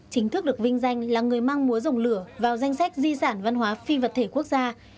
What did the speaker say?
chính thức được vinh danh là người mang múa dòng lửa vào danh sách di sản văn hóa phi vật thể quốc gia